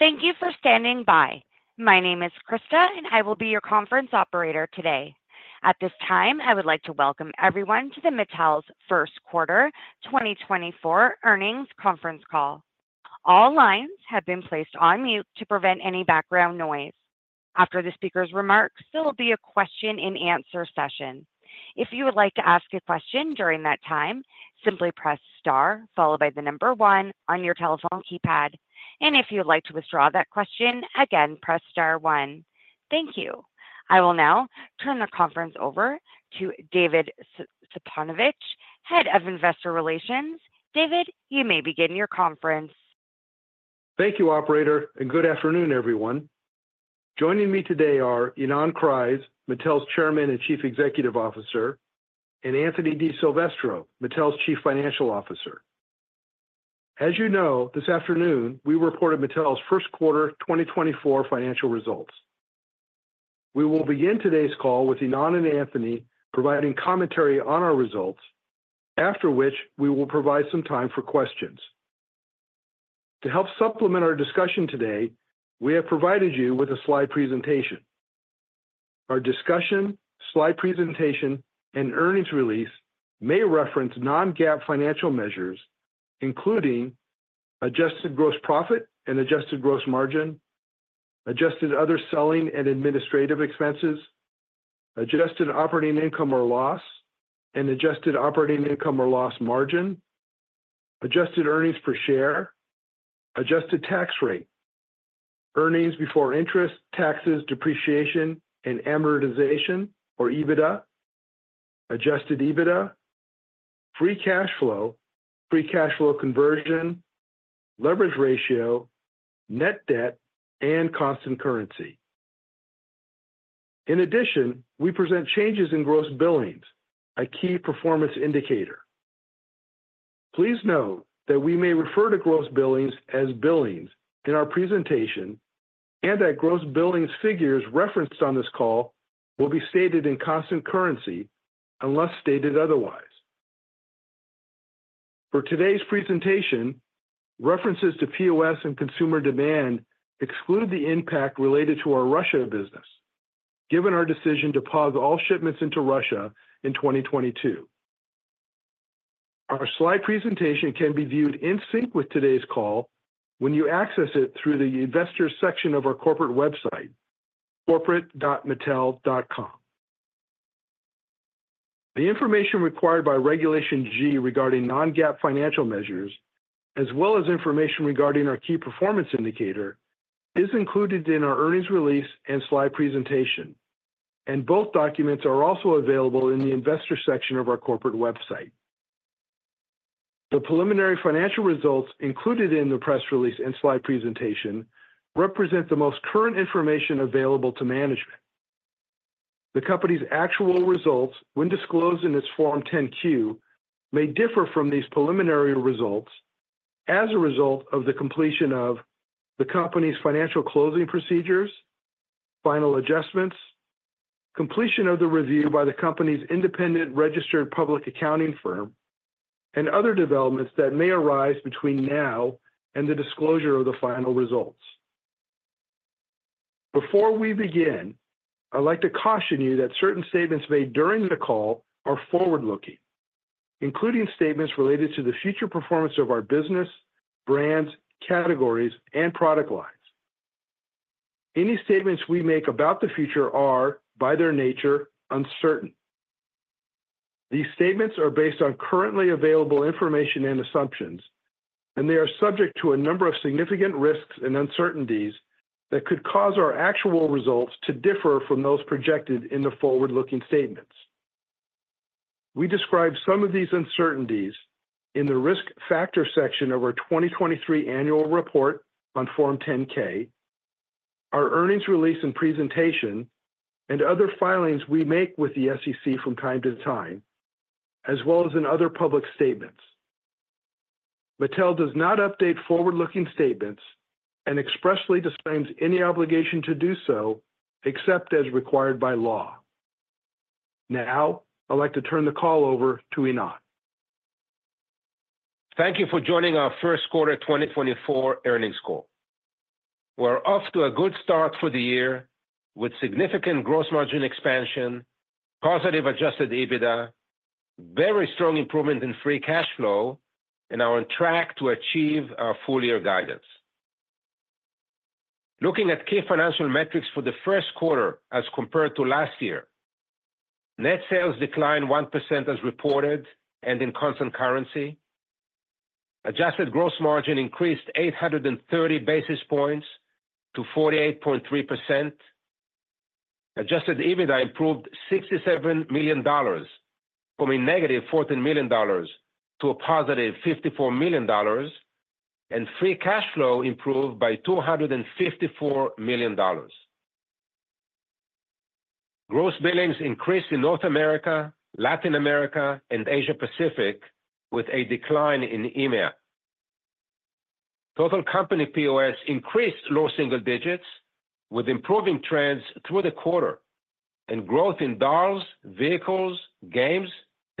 Thank you for standing by. My name is Krista, and I will be your conference operator today. At this time, I would like to welcome everyone to the Mattel's first quarter 2024 earnings conference call. All lines have been placed on mute to prevent any background noise. After the speaker's remarks, there will be a question-and-answer session. If you would like to ask a question during that time, simply press star followed by the number one on your telephone keypad, and if you would like to withdraw that question, again, press star one. Thank you. I will now turn the conference over to David Zbojniewicz, head of investor relations. David, you may begin your conference. Thank you, operator, and good afternoon, everyone. Joining me today are Ynon Kreiz, Mattel's chairman and chief executive officer, and Anthony DiSilvestro, Mattel's chief financial officer. As you know, this afternoon we reported Mattel's first quarter 2024 financial results. We will begin today's call with Ynon and Anthony providing commentary on our results, after which we will provide some time for questions. To help supplement our discussion today, we have provided you with a slide presentation. Our discussion, slide presentation, and earnings release may reference Non-GAAP financial measures, including adjusted gross profit and adjusted gross margin, adjusted other selling and administrative expenses, adjusted operating income or loss and adjusted operating income or loss margin, adjusted earnings per share, adjusted tax rate, earnings before interest, taxes, depreciation, and amortization or EBITDA, adjusted EBITDA, free cash flow, free cash flow conversion, leverage ratio, net debt, and constant currency. In addition, we present changes in gross billings, a key performance indicator. Please note that we may refer to gross billings as billings in our presentation, and that gross billings figures referenced on this call will be stated in constant currency unless stated otherwise. For today's presentation, references to POS and consumer demand exclude the impact related to our Russia business, given our decision to pause all shipments into Russia in 2022. Our slide presentation can be viewed in sync with today's call when you access it through the investors section of our corporate website, corporate.mattel.com. The information required by Regulation G regarding Non-GAAP financial measures, as well as information regarding our key performance indicator, is included in our earnings release and slide presentation, and both documents are also available in the investors section of our corporate website. The preliminary financial results included in the press release and slide presentation represent the most current information available to management. The company's actual results, when disclosed in its Form 10-Q, may differ from these preliminary results as a result of the completion of the company's financial closing procedures, final adjustments, completion of the review by the company's independent registered public accounting firm, and other developments that may arise between now and the disclosure of the final results. Before we begin, I'd like to caution you that certain statements made during the call are forward-looking, including statements related to the future performance of our business, brands, categories, and product lines. Any statements we make about the future are, by their nature, uncertain. These statements are based on currently available information and assumptions, and they are subject to a number of significant risks and uncertainties that could cause our actual results to differ from those projected in the forward-looking statements. We describe some of these uncertainties in the risk factor section of our 2023 annual report on Form 10-K, our earnings release and presentation, and other filings we make with the SEC from time to time, as well as in other public statements. Mattel does not update forward-looking statements and expressly disclaims any obligation to do so except as required by law. Now, I'd like to turn the call over to Ynon. Thank you for joining our first quarter 2024 earnings call. We're off to a good start for the year with significant gross margin expansion, positive adjusted EBITDA, very strong improvement in free cash flow, and are on track to achieve our full-year guidance. Looking at key financial metrics for the first quarter as compared to last year: net sales decline 1% as reported and in constant currency, adjusted gross margin increased 830 basis points to 48.3%, adjusted EBITDA improved $67 million from a negative $14 million to a positive $54 million, and free cash flow improved by $254 million. Gross billings increased in North America, Latin America, and Asia-Pacific with a decline in EMEA. Total company POS increased low single digits with improving trends through the quarter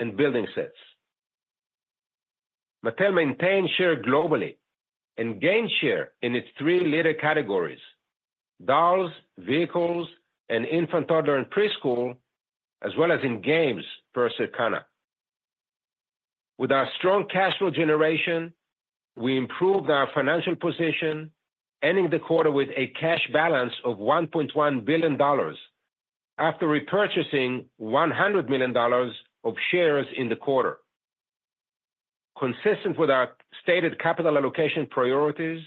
and growth in Dolls, Vehicles, Games, and Building Sets. Mattel maintained share globally and gained share in its three leader categories, Dolls, Vehicles, and Infant and Preschool, as well as in Games per Circana. With our strong cash flow generation, we improved our financial position, ending the quarter with a cash balance of $1.1 billion after repurchasing $100 million of shares in the quarter. Consistent with our stated capital allocation priorities,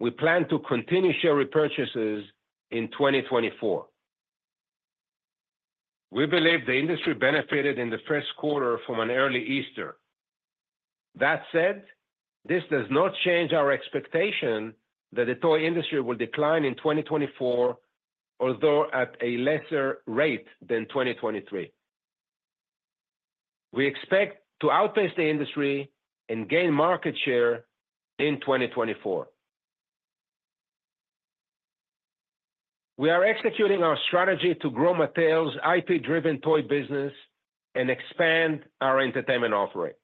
we plan to continue share repurchases in 2024. We believe the industry benefited in the first quarter from an early Easter. That said, this does not change our expectation that the toy industry will decline in 2024, although at a lesser rate than 2023. We expect to outpace the industry and gain market share in 2024. We are executing our strategy to grow Mattel's IP-driven toy business and expand our entertainment offering.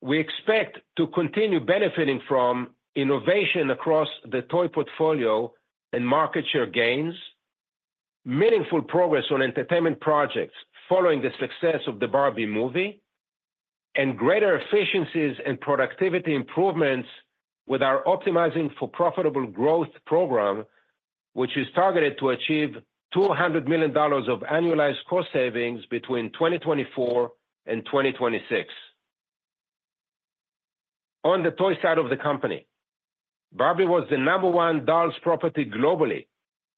We expect to continue benefiting from innovation across the toy portfolio and market share gains, meaningful progress on entertainment projects following the success of the Barbie movie, and greater efficiencies and productivity improvements with our Optimizing for Profitable Growth program, which is targeted to achieve $200 million of annualized cost savings between 2024 and 2026. On the toy side of the company, Barbie was the number one Dolls property globally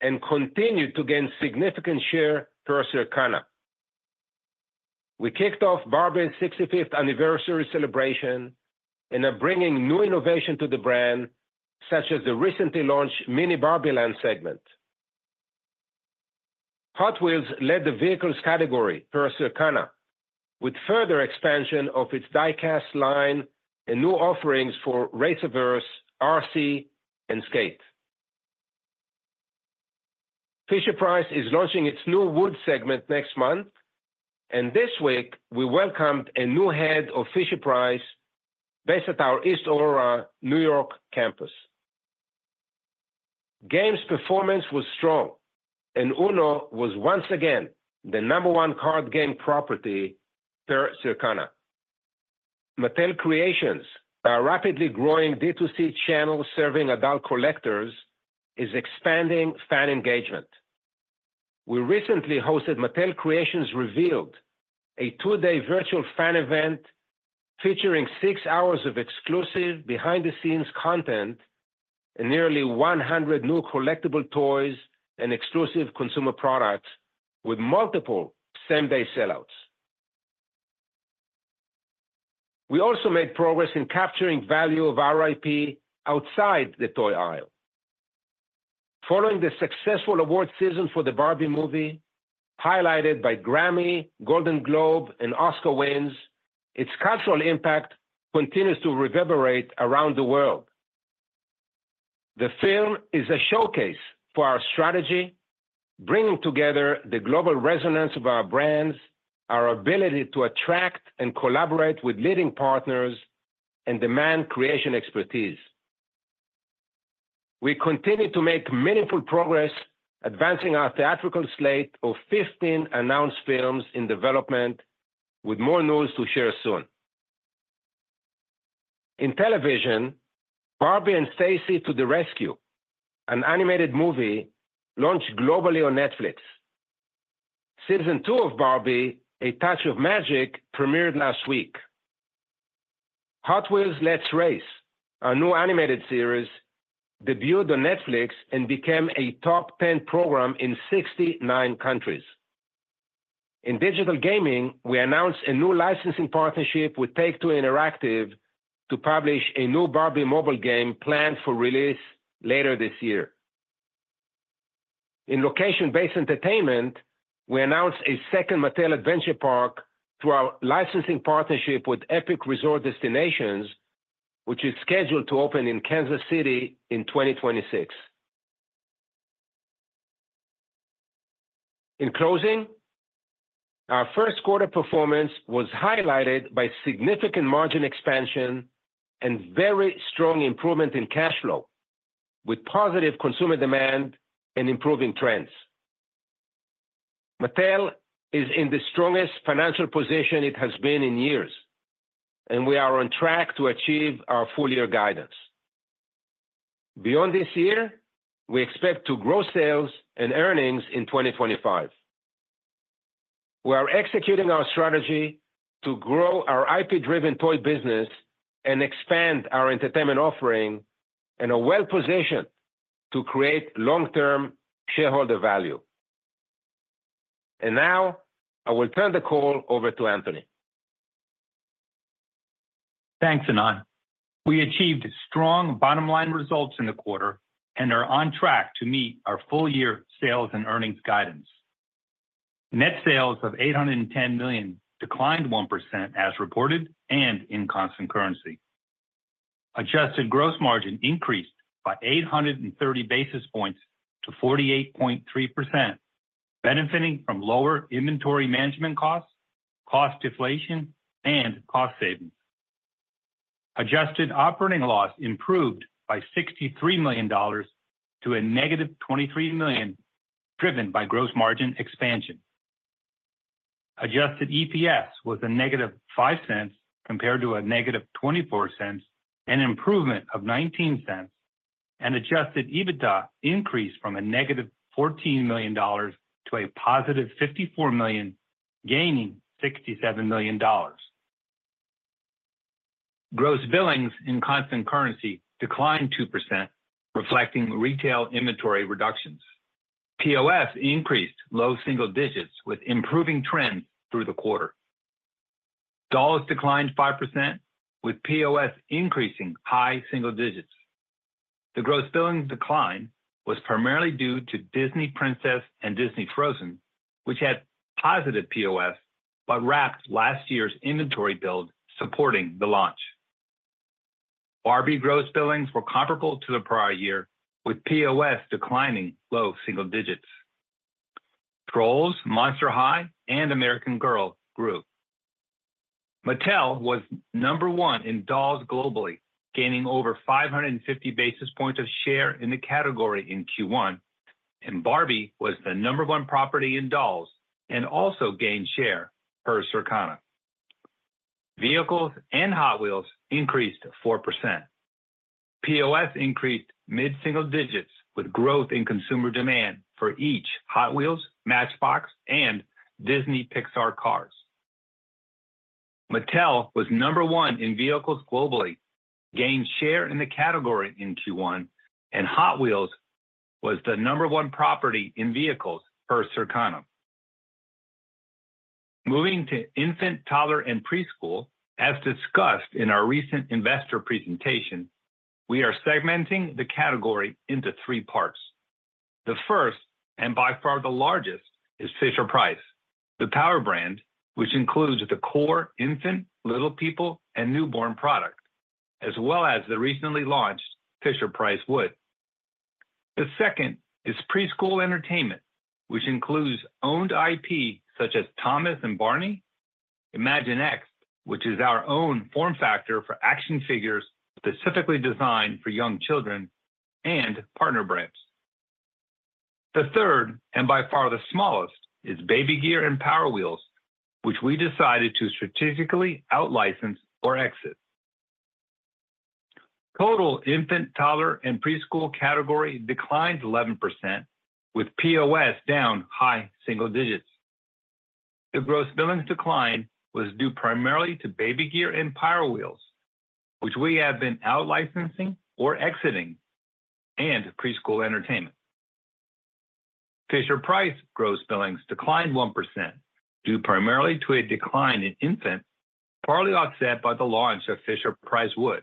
and continued to gain significant share per Circana. We kicked off Barbie's 65th anniversary celebration in bringing new innovation to the brand, such as the recently launched Mini BarbieLand segment. Hot Wheels led the Vehicles category per Circana, with further expansion of its die-cast line and new offerings for RacerVerse, RC, and Skate. Fisher-Price is launching its new wood segment next month, and this week we welcomed a new head of Fisher-Price based at our East Aurora, New York campus. Games performance was strong, and UNO was once again the number one card game property per Circana. Mattel Creations, a rapidly growing D2C channel serving adult collectors, is expanding fan engagement. We recently hosted Mattel Creations Revealed, a two-day virtual fan event featuring six hours of exclusive behind-the-scenes content and nearly 100 new collectible toys and exclusive consumer products, with multiple same-day sellouts. We also made progress in capturing value of our IP outside the toy aisle. Following the successful award season for the Barbie movie, highlighted by Grammy, Golden Globe, and Oscar wins, its cultural impact continues to reverberate around the world. The film is a showcase for our strategy, bringing together the global resonance of our brands, our ability to attract and collaborate with leading partners, and demand creation expertise. We continue to make meaningful progress advancing our theatrical slate of 15 announced films in development, with more news to share soon. In television, Barbie and Stacie to the Rescue, an animated movie, launched globally on Netflix. Season two of Barbie: A Touch of Magic premiered last week. Hot Wheels: Let's Race, our new animated series, debuted on Netflix and became a top 10 program in 69 countries. In digital gaming, we announced a new licensing partnership with Take-Two Interactive to publish a new Barbie mobile game planned for release later this year. In location-based entertainment, we announced a second Mattel Adventure Park through our licensing partnership with Epic Resort Destinations, which is scheduled to open in Kansas City in 2026. In closing, our first quarter performance was highlighted by significant margin expansion and very strong improvement in cash flow, with positive consumer demand and improving trends. Mattel is in the strongest financial position it has been in years, and we are on track to achieve our full-year guidance. Beyond this year, we expect to grow sales and earnings in 2025. We are executing our strategy to grow our IP-driven toy business and expand our entertainment offering in a well-positioned position to create long-term shareholder value. And now, I will turn the call over to Anthony. Thanks, Ynon. We achieved strong bottom-line results in the quarter and are on track to meet our full-year sales and earnings guidance. Net sales of $810 million declined 1% as reported and in constant currency. Adjusted gross margin increased by 830 basis points to 48.3%, benefiting from lower inventory management costs, cost deflation, and cost savings. Adjusted operating loss improved by $63 million to a negative $23 million, driven by gross margin expansion. Adjusted EPS was a negative $0.05 compared to a negative $0.24, an improvement of $0.19, and adjusted EBITDA increased from a negative $14 million to a positive $54 million, gaining $67 million. Gross billings in constant currency declined 2%, reflecting retail inventory reductions. POS increased low single digits with improving trends through the quarter. Dolls declined 5%, with POS increasing high single digits. The gross billing decline was primarily due to Disney Princess and Disney Frozen, which had positive POS but wrapped last year's inventory build supporting the launch. Barbie gross billings were comparable to the prior year, with POS declining low single digits. Trolls, Monster High, and American Girl grew. Mattel was number one in Dolls globally, gaining over 550 basis points of share in the category in Q1, and Barbie was the number one property in Dolls and also gained share per Circana. Vehicles and Hot Wheels increased 4%. POS increased mid-single digits with growth in consumer demand for each Hot Wheels, Matchbox, and Disney Pixar Cars. Mattel was number one in Vehicles globally, gained share in the category in Q1, and Hot Wheels was the number one property in Vehicles per Circana. Moving to Infant-Toddler and Preschool, as discussed in our recent investor presentation, we are segmenting the category into three parts. The first and by far the largest is Fisher-Price, the power brand, which includes the core infant, Little People, and newborn product, as well as the recently launched Fisher-Price Wood. The second is Preschool Entertainment, which includes owned IP such as Thomas and Barney, Imaginext, which is our own form factor for action figures specifically designed for young children, and partner brands. The third and by far the smallest is Baby Gear and Power Wheels, which we decided to strategically out-license or exit. Total infant, toddler, and preschool category declined 11%, with POS down high single digits. The Gross Billings decline was due primarily to Baby Gear and Power Wheels, which we have been out-licensing or exiting, and Preschool Entertainment. Fisher-Price gross billings declined 1% due primarily to a decline in infants, partly offset by the launch of Fisher-Price Wood.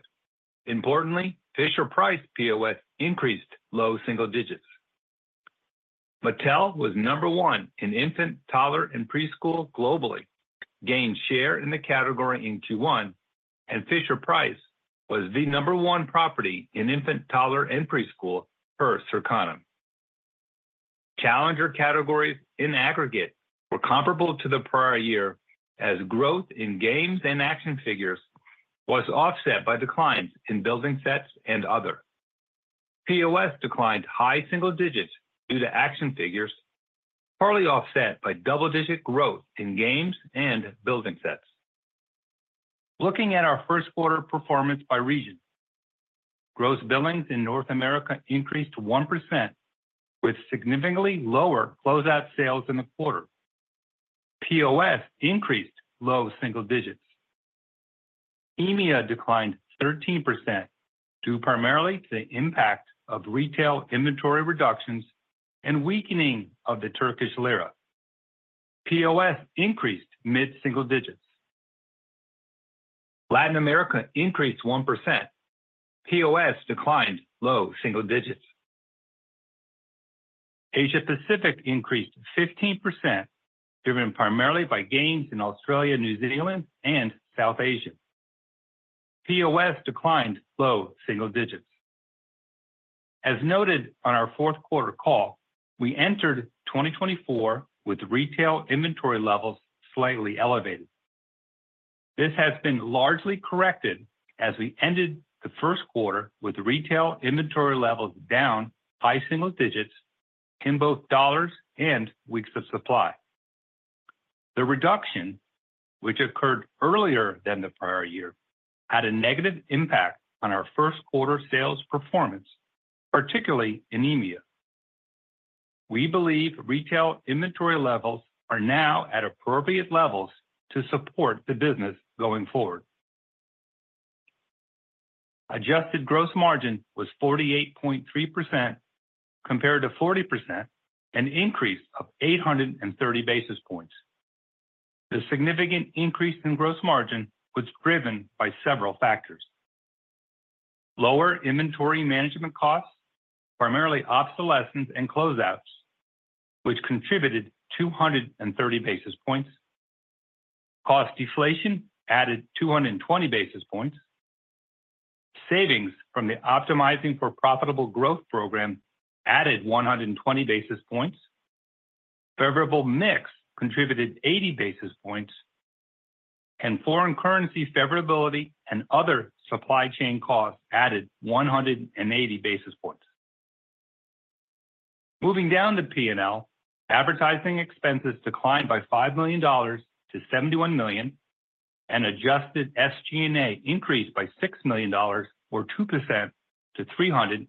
Importantly, Fisher-Price POS increased low single digits. Mattel was number one in infant, toddler, and preschool globally, gained share in the category in Q1, and Fisher-Price was the number one property in infant, toddler, and preschool per Circana. Challenger categories in aggregate were comparable to the prior year, as growth in games and action figures was offset by declines in building sets and other. POS declined high single digits due to action figures, partly offset by double-digit growth in games and building sets. Looking at our first quarter performance by region, gross billings in North America increased 1% with significantly lower closeout sales in the quarter. POS increased low single digits. EMEA declined 13% due primarily to the impact of retail inventory reductions and weakening of the Turkish lira. POS increased mid-single digits. Latin America increased 1%. POS declined low single digits. Asia-Pacific increased 15%, driven primarily by gains in Australia, New Zealand, and South Asia. POS declined low single digits. As noted on our fourth quarter call, we entered 2024 with retail inventory levels slightly elevated. This has been largely corrected as we ended the first quarter with retail inventory levels down high single digits in both dollars and weeks of supply. The reduction, which occurred earlier than the prior year, had a negative impact on our first quarter sales performance, particularly in EMEA. We believe retail inventory levels are now at appropriate levels to support the business going forward. Adjusted Gross Margin was 48.3% compared to 40%, an increase of 830 basis points. The significant increase in gross margin was driven by several factors: lower inventory management costs, primarily obsolescence and closeouts, which contributed 230 basis points; cost deflation added 220 basis points; savings from the Optimizing for Profitable Growth program added 120 basis points; favorable mix contributed 80 basis points; and foreign currency favorability and other supply chain costs added 180 basis points. Moving down the P&L, advertising expenses declined by $5 million to $71 million, and adjusted SG&A increased by $6 million, or 2%, to $343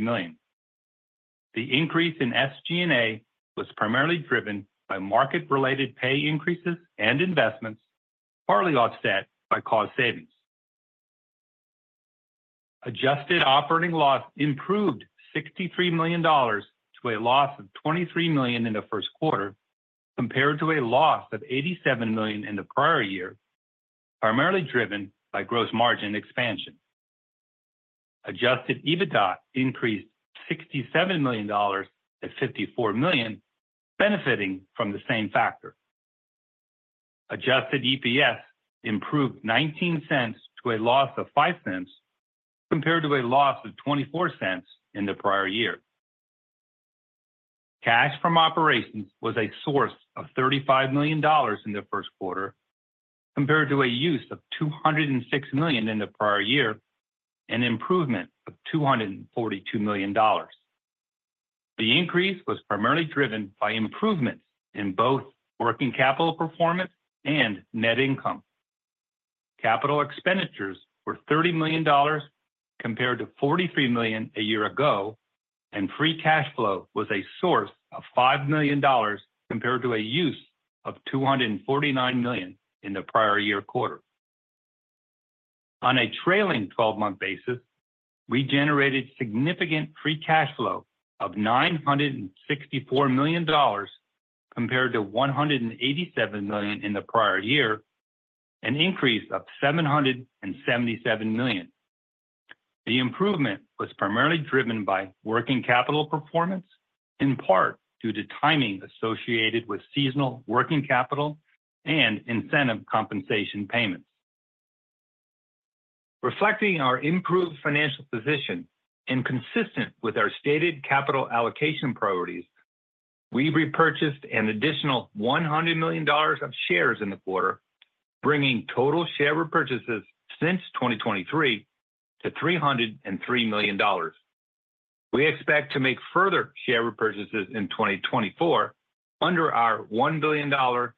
million. The increase in SG&A was primarily driven by market-related pay increases and investments, partly offset by cost savings. Adjusted operating loss improved $63 million to a loss of $23 million in the first quarter compared to a loss of $87 million in the prior year, primarily driven by gross margin expansion. Adjusted EBITDA increased $67 million to $54 million, benefiting from the same factor. Adjusted EPS improved $0.19 to a loss of $0.05 compared to a loss of $0.24 in the prior year. Cash from operations was a source of $35 million in the first quarter compared to a use of $206 million in the prior year, an improvement of $242 million. The increase was primarily driven by improvements in both working capital performance and net income. Capital expenditures were $30 million compared to $43 million a year ago, and free cash flow was a source of $5 million compared to a use of $249 million in the prior year quarter. On a trailing 12-month basis, we generated significant free cash flow of $964 million compared to $187 million in the prior year, an increase of $777 million. The improvement was primarily driven by working capital performance, in part due to timing associated with seasonal working capital and incentive compensation payments. Reflecting our improved financial position and consistent with our stated capital allocation priorities, we repurchased an additional $100 million of shares in the quarter, bringing total share repurchases since 2023 to $303 million. We expect to make further share repurchases in 2024 under our $1 billion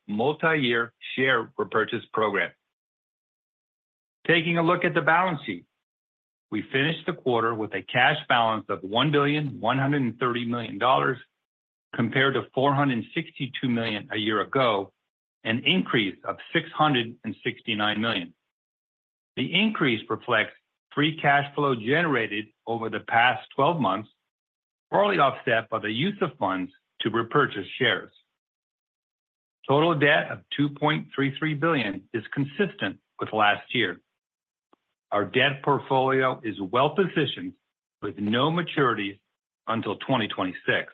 multi-year share repurchase program. Taking a look at the balance sheet, we finished the quarter with a cash balance of $1.13 billion compared to $462 million a year ago, an increase of $669 million. The increase reflects free cash flow generated over the past 12 months, partly offset by the use of funds to repurchase shares. Total debt of $2.33 billion is consistent with last year. Our debt portfolio is well-positioned with no maturities until 2026.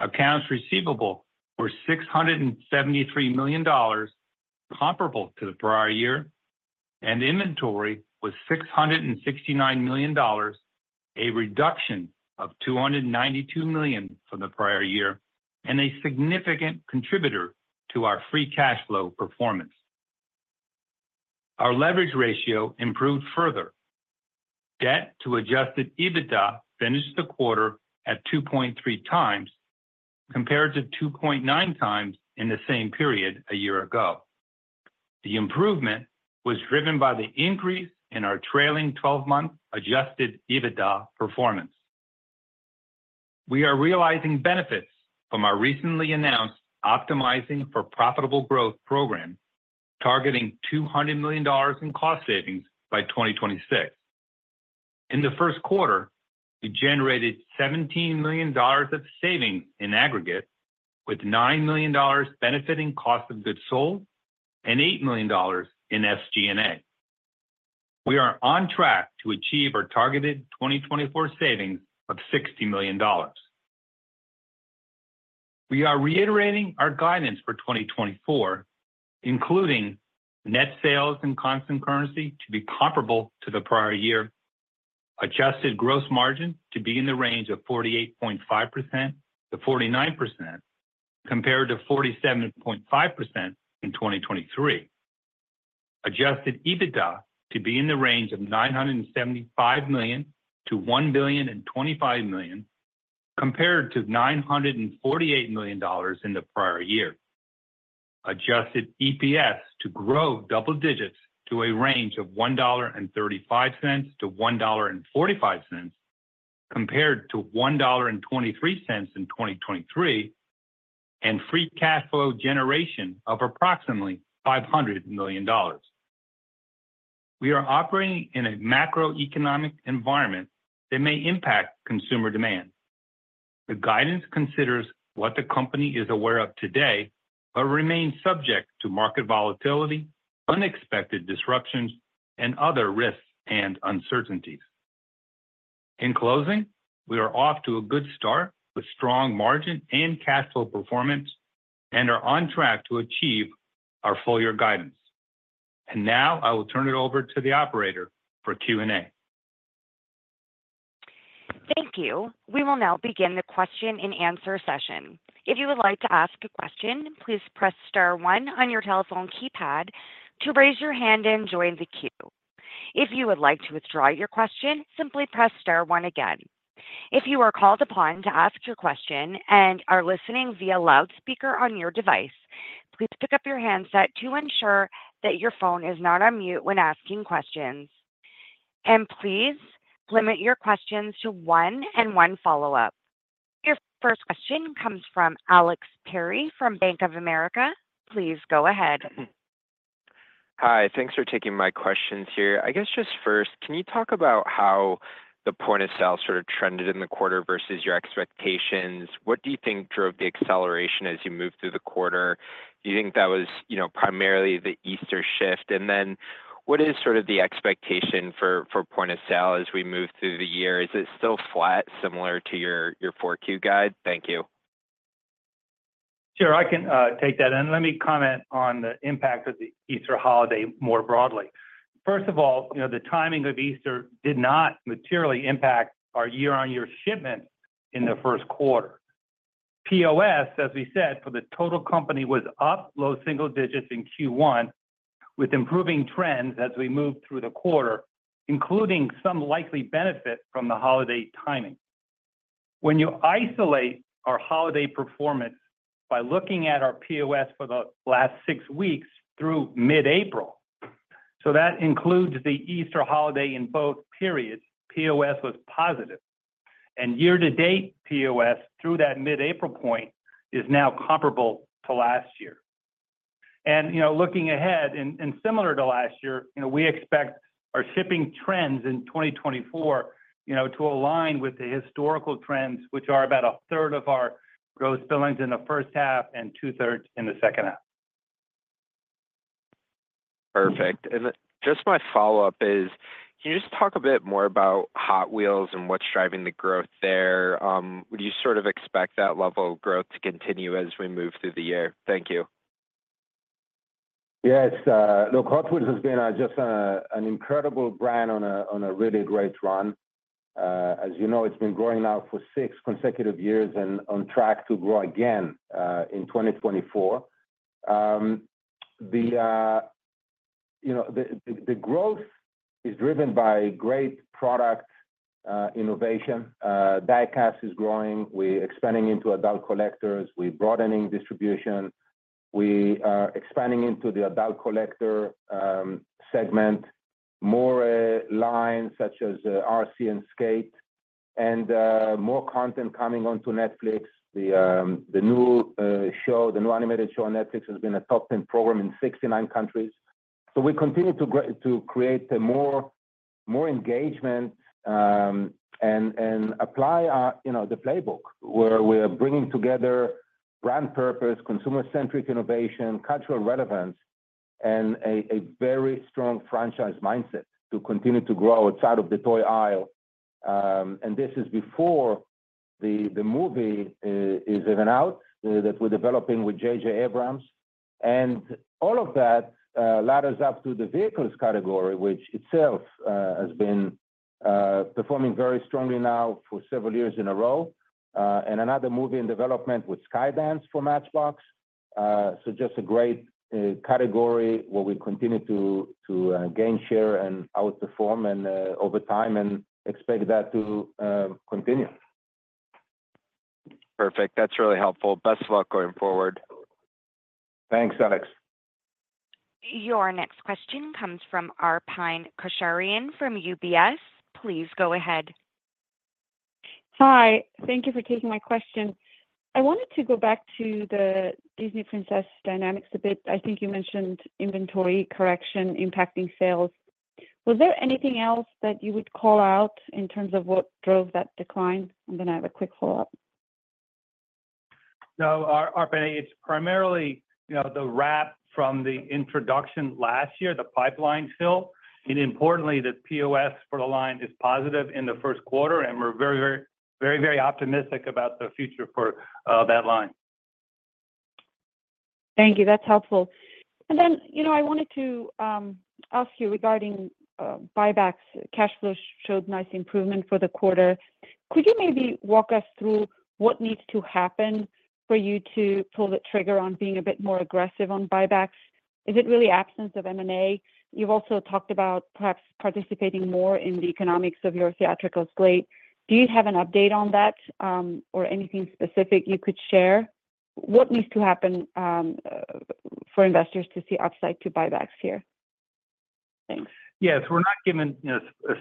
Accounts receivable were $673 million, comparable to the prior year, and inventory was $669 million, a reduction of $292 million from the prior year and a significant contributor to our Free Cash Flow performance. Our leverage ratio improved further. Debt to adjusted EBITDA finished the quarter at 2.3x compared to 2.9x in the same period a year ago. The improvement was driven by the increase in our trailing 12-month adjusted EBITDA performance. We are realizing benefits from our recently announced Optimizing for Profitable Growth program, targeting $200 million in cost savings by 2026. In the first quarter, we generated $17 million of savings in aggregate, with $9 million benefiting cost of goods sold and $8 million in SG&A. We are on track to achieve our targeted 2024 savings of $60 million. We are reiterating our guidance for 2024, including net sales in constant currency to be comparable to the prior year, adjusted gross margin to be in the range of 48.5%-49% compared to 47.5% in 2023, adjusted EBITDA to be in the range of $975 million-$1,025 million compared to $948 million in the prior year, adjusted EPS to grow double digits to a range of $1.35-$1.45 compared to $1.23 in 2023, and free cash flow generation of approximately $500 million. We are operating in a macroeconomic environment that may impact consumer demand. The guidance considers what the company is aware of today but remains subject to market volatility, unexpected disruptions, and other risks and uncertainties. In closing, we are off to a good start with strong margin and cash flow performance and are on track to achieve our full-year guidance. Now I will turn it over to the operator for Q&A. Thank you. We will now begin the question-and-answer session. If you would like to ask a question, please press star one on your telephone keypad to raise your hand and join the queue. If you would like to withdraw your question, simply press star one again. If you are called upon to ask your question and are listening via loudspeaker on your device, please pick up your handset to ensure that your phone is not on mute when asking questions. Please limit your questions to one and one follow-up. Your first question comes from Alex Perry from Bank of America. Please go ahead. Hi. Thanks for taking my questions here. I guess just first, can you talk about how the point of sale sort of trended in the quarter versus your expectations? What do you think drove the acceleration as you moved through the quarter? Do you think that was primarily the Easter shift? And then what is sort of the expectation for point of sale as we move through the year? Is it still flat similar to your 4Q guide? Thank you. Sure. I can take that in. Let me comment on the impact of the Easter holiday more broadly. First of all, the timing of Easter did not materially impact our year-on-year shipments in the first quarter. POS, as we said, for the total company was up low single digits in Q1 with improving trends as we moved through the quarter, including some likely benefit from the holiday timing. When you isolate our holiday performance by looking at our POS for the last six weeks through mid-April, so that includes the Easter holiday in both periods, POS was positive. And year-to-date POS through that mid-April point is now comparable to last year. Looking ahead and similar to last year, we expect our shipping trends in 2024 to align with the historical trends, which are about 1/3 of our gross billings in the first half and 2/3 in the second half. Perfect. And just my follow-up is, can you just talk a bit more about Hot Wheels and what's driving the growth there? Would you sort of expect that level of growth to continue as we move through the year? Thank you. Yes. Look, Hot Wheels has been just an incredible brand on a really great run. As you know, it's been growing now for six consecutive years and on track to grow again in 2024. The growth is driven by great product innovation. Diecast is growing. We're expanding into adult collectors. We're broadening distribution. We are expanding into the adult collector segment, more lines such as RC and Skate, and more content coming onto Netflix. The new animated show on Netflix has been a top 10 program in 69 countries. So we continue to create more engagement and apply the playbook where we are bringing together brand purpose, consumer-centric innovation, cultural relevance, and a very strong franchise mindset to continue to grow outside of the toy aisle. And this is before the movie is even out that we're developing with J.J. Abrams. All of that ladders up to the vehicles category, which itself has been performing very strongly now for several years in a row. Another movie in development with Skydance for Matchbox. Just a great category where we continue to gain share and outperform over time and expect that to continue. Perfect. That's really helpful. Best luck going forward. Thanks, Alex. Your next question comes from Arpine Kocharyan from UBS. Please go ahead. Hi. Thank you for taking my question. I wanted to go back to the Disney Princess dynamics a bit. I think you mentioned inventory correction impacting sales. Was there anything else that you would call out in terms of what drove that decline? I'm going to have a quick follow-up. No, Arpine, it's primarily the lap from the introduction last year, the pipeline fill. Importantly, the POS for the line is positive in the first quarter, and we're very, very, very, very optimistic about the future for that line. Thank you. That's helpful. And then I wanted to ask you regarding buybacks. Cash flow showed nice improvement for the quarter. Could you maybe walk us through what needs to happen for you to pull the trigger on being a bit more aggressive on buybacks? Is it really absence of M&A? You've also talked about perhaps participating more in the economics of your theatrical slate. Do you have an update on that or anything specific you could share? What needs to happen for investors to see upside to buybacks here? Thanks. Yes. We're not given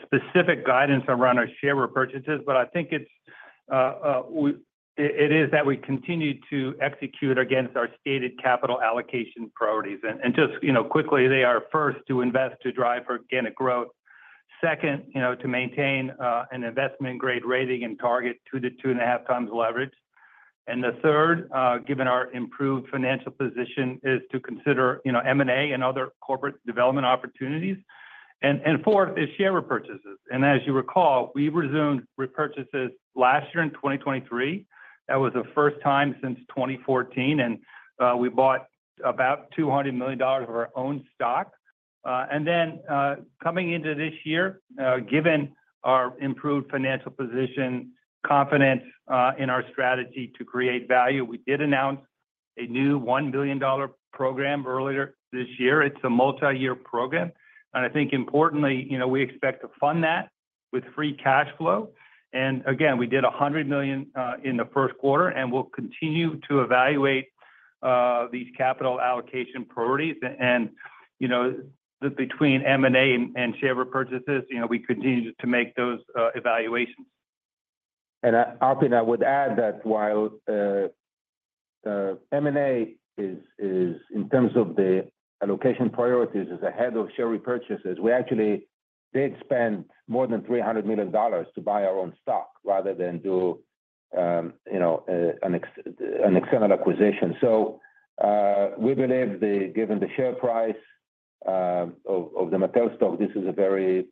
specific guidance around our share repurchases, but I think it is that we continue to execute against our stated capital allocation priorities. And just quickly, they are first to invest to drive organic growth. Second, to maintain an investment-grade rating and target 2-2.5 times leverage. And the third, given our improved financial position, is to consider M&A and other corporate development opportunities. And fourth, is share repurchases. And as you recall, we resumed repurchases last year in 2023. That was the first time since 2014. And we bought about $200 million of our own stock. And then coming into this year, given our improved financial position, confidence in our strategy to create value, we did announce a new $1 billion program earlier this year. It's a multi-year program. And I think, importantly, we expect to fund that with free cash flow. Again, we did $100 million in the first quarter, and we'll continue to evaluate these capital allocation priorities. Between M&A and share repurchases, we continue to make those evaluations. Arpine, I would add that while M&A, in terms of the allocation priorities is ahead of share repurchases, we actually did spend more than $300 million to buy our own stock rather than do an external acquisition. We believe, given the share price of the Mattel stock, this is a very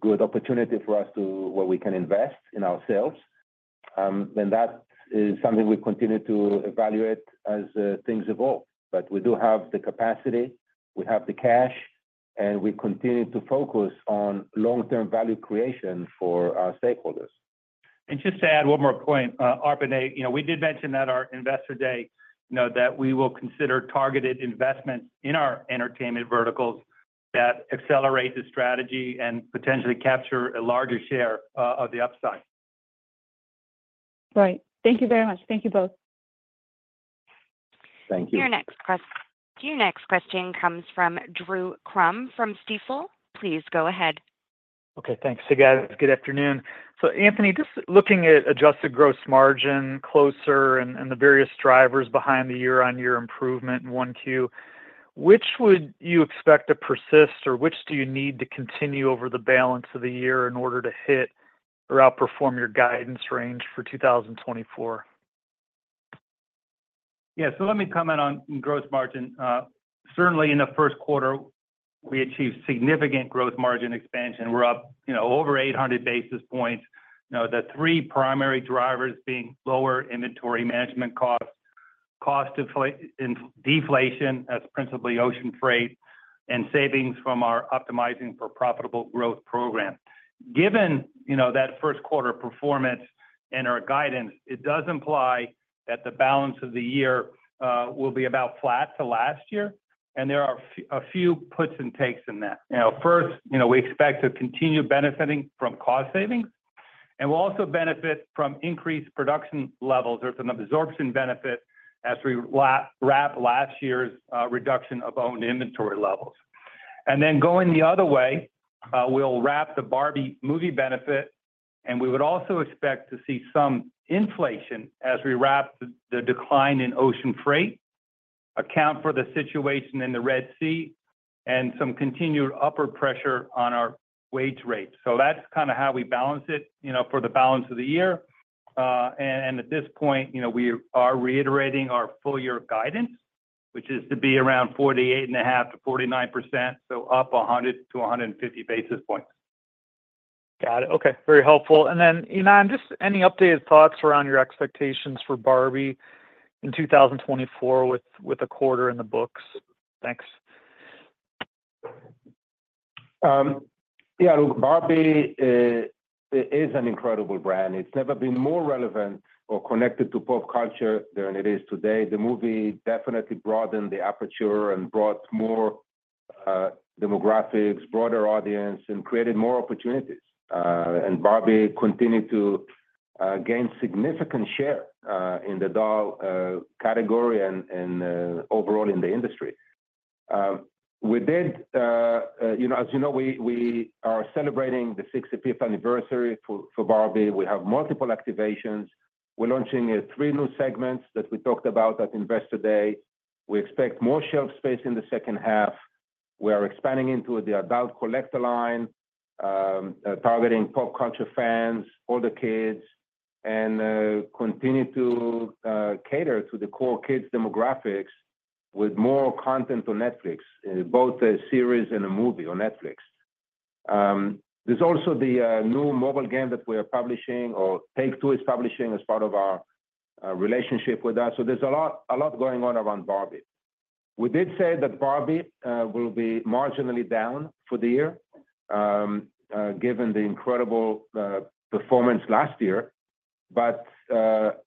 good opportunity for us where we can invest in ourselves. That is something we continue to evaluate as things evolve. We do have the capacity. We have the cash. We continue to focus on long-term value creation for our stakeholders. Just to add one more point, Arpine, we did mention at our Investor Day that we will consider targeted investments in our entertainment verticals that accelerate the strategy and potentially capture a larger share of the upside. Right. Thank you very much. Thank you both. Thank you. Your next question comes from Drew Crum from Stifel. Please go ahead. Okay. Thanks again. Good afternoon. So Anthony, just looking at adjusted gross margin closer and the various drivers behind the year-over-year improvement in 1Q, which would you expect to persist, or which do you need to continue over the balance of the year in order to hit or outperform your guidance range for 2024? Yeah. So let me comment on gross margin. Certainly, in the first quarter, we achieved significant gross margin expansion. We're up over 800 basis points, the three primary drivers being lower inventory management costs, cost deflation as principally ocean freight, and savings from our Optimizing for Profitable Growth program. Given that first quarter performance and our guidance, it does imply that the balance of the year will be about flat to last year. And there are a few puts and takes in that. First, we expect to continue benefiting from cost savings. And we'll also benefit from increased production levels. There's an absorption benefit as we wrap last year's reduction of owned inventory levels. And then going the other way, we'll wrap the Barbie movie benefit. We would also expect to see some inflation as we wrap the decline in ocean freight, account for the situation in the Red Sea, and some continued upper pressure on our wage rates. That's kind of how we balance it for the balance of the year. At this point, we are reiterating our full-year guidance, which is to be around 48.5%-49%, so up 100 basis points-150 basis points. Got it. Okay. Very helpful. And then, Ynon, just any updated thoughts around your expectations for Barbie in 2024 with a quarter in the books? Thanks. Yeah. Look, Barbie is an incredible brand. It's never been more relevant or connected to pop culture than it is today. The movie definitely broadened the aperture and brought more demographics, broader audience, and created more opportunities. And Barbie continued to gain significant share in the doll category and overall in the industry. We did, as you know, we are celebrating the 65th anniversary for Barbie. We have multiple activations. We're launching three new segments that we talked about at investor day. We expect more shelf space in the second half. We are expanding into the adult collector line, targeting pop culture fans, older kids, and continue to cater to the core kids' demographics with more content on Netflix, both a series and a movie on Netflix. There's also the new mobile game that we are publishing, or Take Two is publishing as part of our relationship with us. There's a lot going on around Barbie. We did say that Barbie will be marginally down for the year given the incredible performance last year. But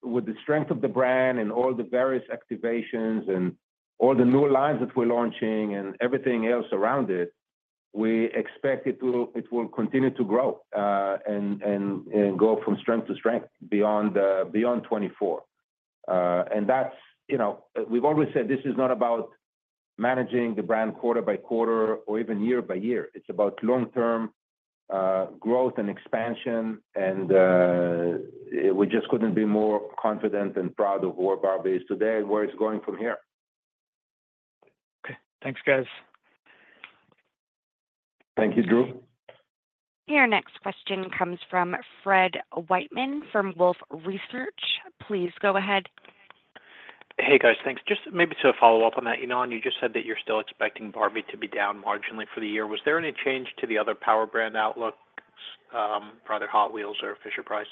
with the strength of the brand and all the various activations and all the new lines that we're launching and everything else around it, we expect it will continue to grow and go from strength to strength beyond 2024. We've always said this is not about managing the brand quarter by quarter or even year by year. It's about long-term growth and expansion. And we just couldn't be more confident and proud of where Barbie is today and where it's going from here. Okay. Thanks, guys. Thank you, Drew. Your next question comes from Fred Wightman from Wolfe Research. Please go ahead. Hey, guys. Thanks. Just maybe to follow up on that, Ynon, you just said that you're still expecting Barbie to be down marginally for the year. Was there any change to the other power brand outlook, rather Hot Wheels or Fisher-Price?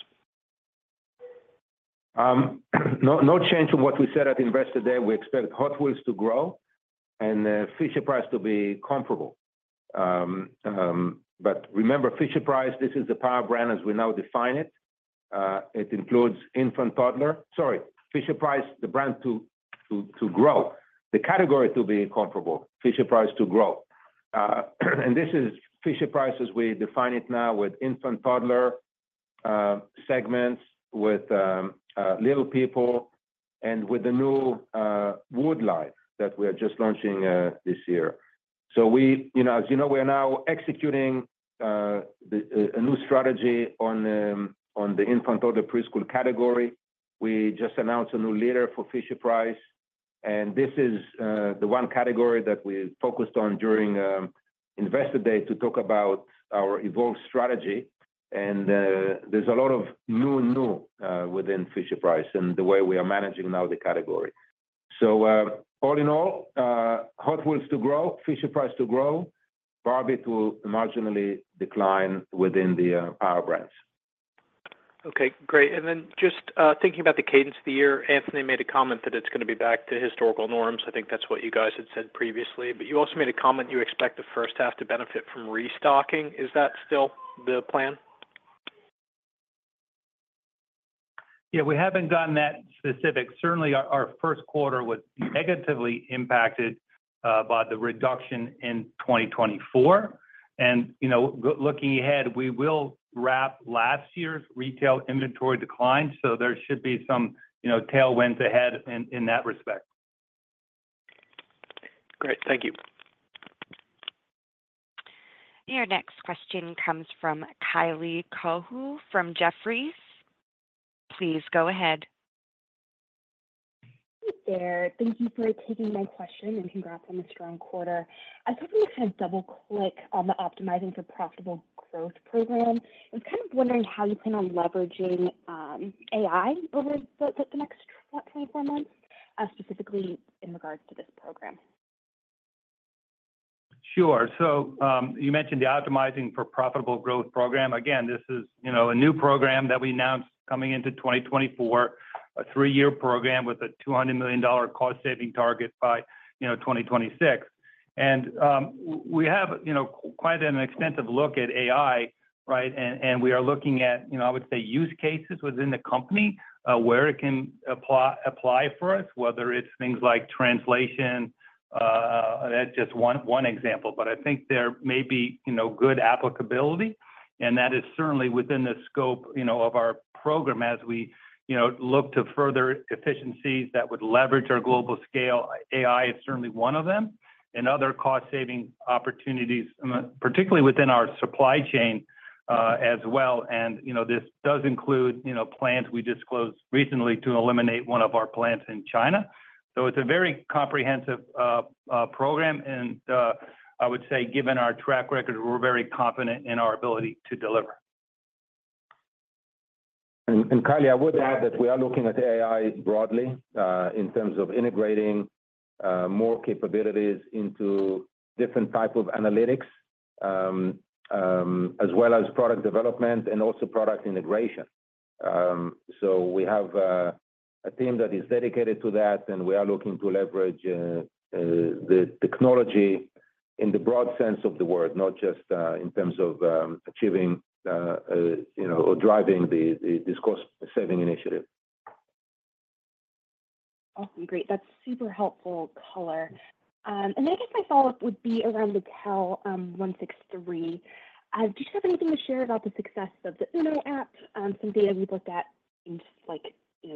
No change from what we said at investor day. We expect Hot Wheels to grow and Fisher-Price to be comparable. But remember, Fisher-Price, this is the power brand as we now define it. It includes infant toddler sorry, Fisher-Price, the brand to grow. The category to be comparable, Fisher-Price to grow. And this is Fisher-Price as we define it now with infant toddler segments with Little People and with the new Wood line that we are just launching this year. So as you know, we are now executing a new strategy on the infant to the preschool category. We just announced a new leader for Fisher-Price. And this is the one category that we focused on during investor day to talk about our evolved strategy. And there's a lot of new, new within Fisher-Price and the way we are managing now the category. All in all, Hot Wheels to grow, Fisher-Price to grow, Barbie to marginally decline within the power brands. Okay. Great. And then just thinking about the cadence of the year, Anthony made a comment that it's going to be back to historical norms. I think that's what you guys had said previously. But you also made a comment you expect the first half to benefit from restocking. Is that still the plan? Yeah. We haven't gotten that specific. Certainly, our first quarter was negatively impacted by the reduction in 2024. And looking ahead, we will wrap last year's retail inventory decline. So there should be some tailwinds ahead in that respect. Great. Thank you. Your next question comes from Kylie Cohu from Jefferies. Please go ahead. Hey, Ynon. Thank you for taking my question and congrats on the strong quarter. I was hoping to kind of double-click on the Optimizing for Profitable Growth program. I was kind of wondering how you plan on leveraging AI over the next 24 months, specifically in regards to this program. Sure. So you mentioned the Optimizing for Profitable Growth program. Again, this is a new program that we announced coming into 2024, a three-year program with a $200 million cost-saving target by 2026. And we have quite an extensive look at AI, right? And we are looking at, I would say, use cases within the company where it can apply for us, whether it's things like translation. That's just one example. But I think there may be good applicability. And that is certainly within the scope of our program as we look to further efficiencies that would leverage our global scale. AI is certainly one of them and other cost-saving opportunities, particularly within our supply chain as well. And this does include plans we disclosed recently to eliminate one of our plants in China. So it's a very comprehensive program. I would say, given our track record, we're very confident in our ability to deliver. Kylie, I would add that we are looking at AI broadly in terms of integrating more capabilities into different types of analytics as well as product development and also product integration. We have a team that is dedicated to that. We are looking to leverage the technology in the broad sense of the word, not just in terms of achieving or driving this cost-saving initiative. Awesome. Great. That's super helpful color. And then I guess my follow-up would be around Mattel163. Do you have anything to share about the success of the UNO app? Some data we've looked at and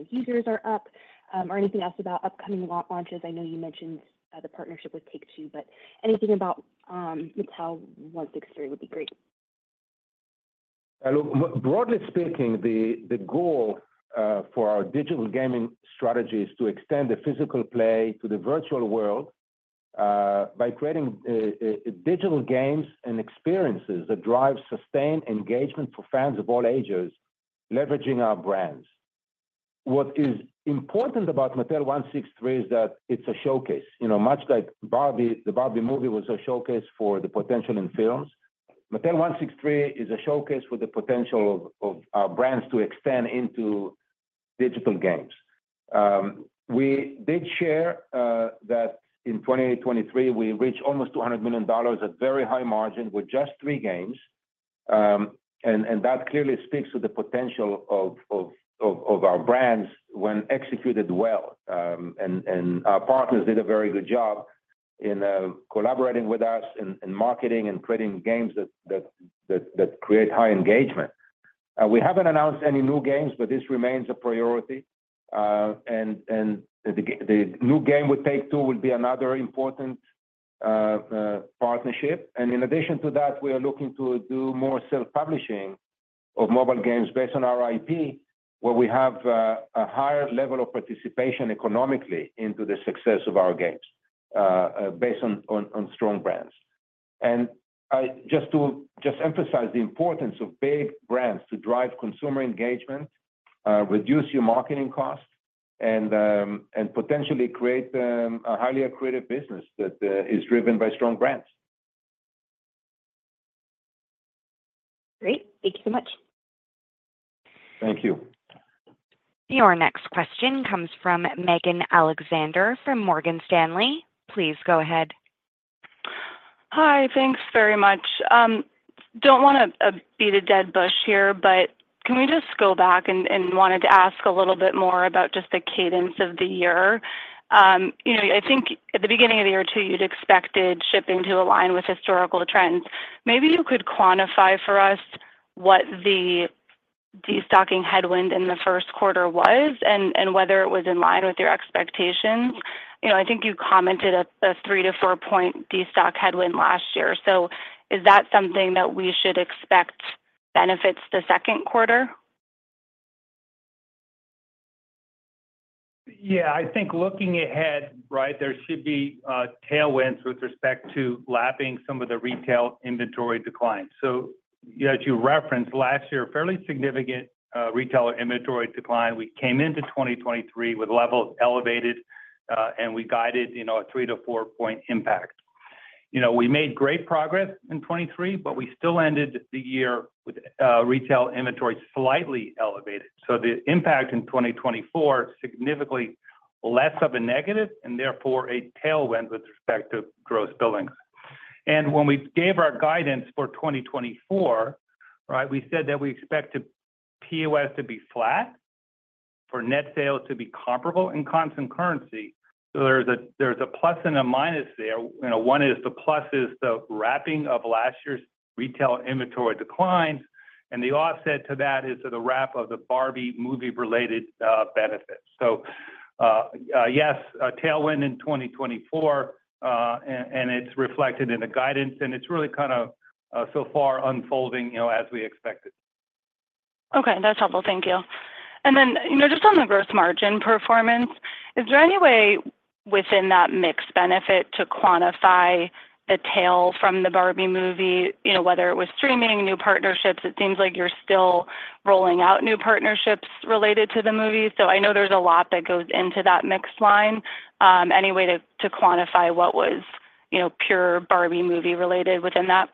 users are up. Or anything else about upcoming launches? I know you mentioned the partnership with Take-Two. But anything about Mattel163 would be great. Look, broadly speaking, the goal for our digital gaming strategy is to extend the physical play to the virtual world by creating digital games and experiences that drive sustained engagement for fans of all ages leveraging our brands. What is important about Mattel163 is that it's a showcase, much like the Barbie movie was a showcase for the potential in films. Mattel163 is a showcase with the potential of our brands to extend into digital games. We did share that in 2023, we reached almost $200 million at very high margin with just three games. That clearly speaks to the potential of our brands when executed well. Our partners did a very good job in collaborating with us in marketing and creating games that create high engagement. We haven't announced any new games, but this remains a priority. The new game with Take-Two would be another important partnership. In addition to that, we are looking to do more self-publishing of mobile games based on our IP, where we have a higher level of participation economically into the success of our games based on strong brands. Just to emphasize the importance of big brands to drive consumer engagement, reduce your marketing cost, and potentially create a highly accretive business that is driven by strong brands. Great. Thank you so much. Thank you. Your next question comes from Megan Alexander from Morgan Stanley. Please go ahead. Hi. Thanks very much. Don't want to beat a dead horse here, but can we just go back? Wanted to ask a little bit more about just the cadence of the year. I think at the beginning of the year too, you'd expected shipping to align with historical trends. Maybe you could quantify for us what the destocking headwind in the first quarter was and whether it was in line with your expectations. I think you commented a 3-point impact-4-point impact destock headwind last year. So is that something that we should expect benefits the second quarter? Yeah. I think looking ahead, right, there should be tailwinds with respect to lapping some of the retail inventory decline. So as you referenced, last year, fairly significant retail inventory decline. We came into 2023 with levels elevated, and we guided a 3-point impact-4-point impact. We made great progress in 2023, but we still ended the year with retail inventory slightly elevated. So the impact in 2024, significantly less of a negative and therefore a tailwind with respect to gross billings. And when we gave our guidance for 2024, right, we said that we expected POS to be flat, for net sales to be comparable in constant currency. So there's a plus and a minus there. One is the plus is the wrapping of last year's retail inventory declines. And the offset to that is the wrap of the Barbie movie-related benefits. Yes, a tailwind in 2024, and it's reflected in the guidance. It's really kind of so far unfolding as we expected. Okay. That's helpful. Thank you. And then just on the gross margin performance, is there any way within that mixed benefit to quantify the tail from the Barbie movie, whether it was streaming, new partnerships? It seems like you're still rolling out new partnerships related to the movie. So I know there's a lot that goes into that mixed line. Any way to quantify what was pure Barbie movie-related within that?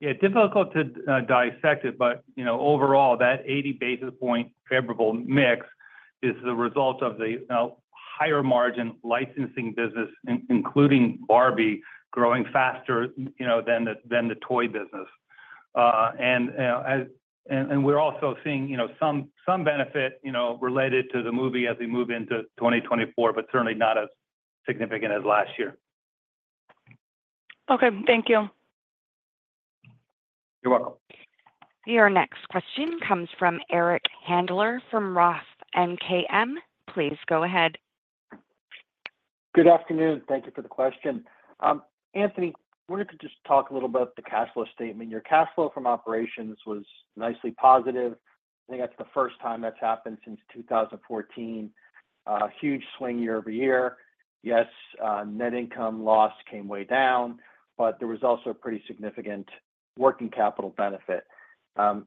Yeah. Difficult to dissect it. Overall, that 80 basis points favorable mix is the result of the higher margin licensing business, including Barbie, growing faster than the toy business. We're also seeing some benefit related to the movie as we move into 2024, but certainly not as significant as last year. Okay. Thank you. You're welcome. Your next question comes from Eric Handler from Roth MKM. Please go ahead. Good afternoon. Thank you for the question. Anthony, I wonder if you could just talk a little about the cash flow statement. Your cash flow from operations was nicely positive. I think that's the first time that's happened since 2014. Huge swing year-over-year. Yes, net income loss came way down, but there was also a pretty significant working capital benefit.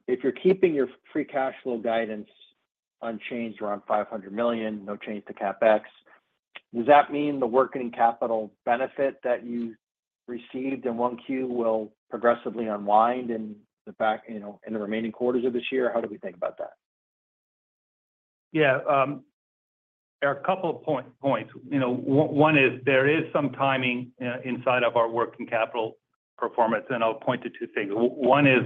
If you're keeping your free cash flow guidance unchanged around $500 million, no change to CapEx, does that mean the working capital benefit that you received in 1Q will progressively unwind in the remaining quarters of this year? How do we think about that? Yeah. There are a couple of points. One is there is some timing inside of our working capital performance. And I'll point to two things. One is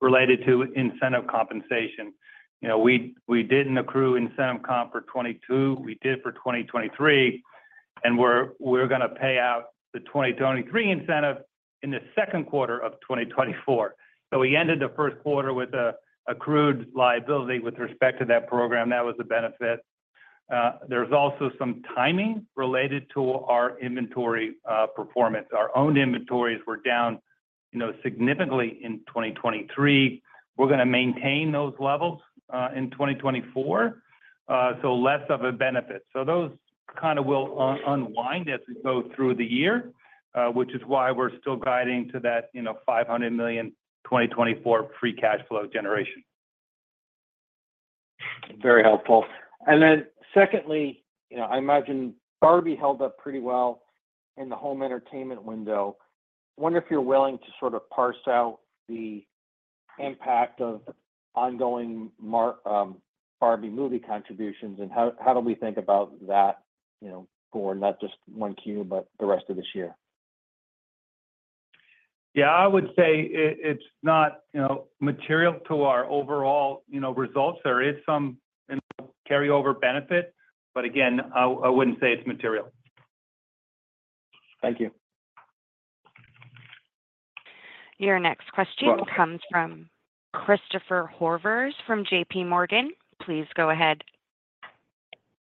related to incentive compensation. We didn't accrue incentive comp for 2022. We did for 2023. And we're going to pay out the 2023 incentive in the second quarter of 2024. So we ended the first quarter with accrued liability with respect to that program. That was the benefit. There's also some timing related to our inventory performance. Our owned inventories were down significantly in 2023. We're going to maintain those levels in 2024, so less of a benefit. So those kind of will unwind as we go through the year, which is why we're still guiding to that $500 million 2024 free cash flow generation. Very helpful. And then secondly, I imagine Barbie held up pretty well in the home entertainment window. I wonder if you're willing to sort of parse out the impact of ongoing Barbie movie contributions? And how do we think about that for not just one Q, but the rest of this year? Yeah. I would say it's not material to our overall results. There is some carryover benefit. But again, I wouldn't say it's material. Thank you. Your next question comes from Christopher Horvers from JP Morgan. Please go ahead.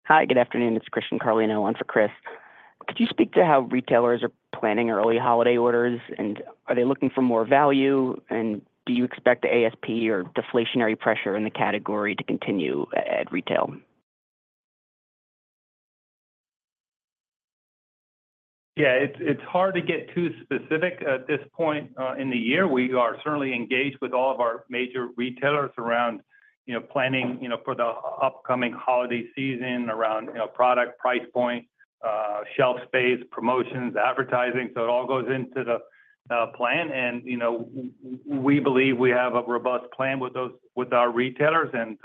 Hi. Good afternoon. It's Christian Carlino on for Chris. Could you speak to how retailers are planning early holiday orders? And are they looking for more value? And do you expect the ASP or deflationary pressure in the category to continue at retail? Yeah. It's hard to get too specific at this point in the year. We are certainly engaged with all of our major retailers around planning for the upcoming holiday season, around product price point, shelf space, promotions, advertising. It all goes into the plan. We believe we have a robust plan with our retailers and